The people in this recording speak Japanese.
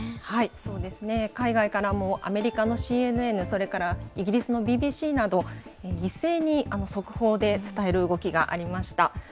そうですね、海外からもアメリカのＣＮＮ、それからイギリスのＢＢＣなど、一斉に速報で伝える動きがありました。